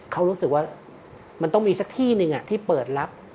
เขารู้สึกว่ามันต้องมีสักที่หนึ่งที่เปิดรับ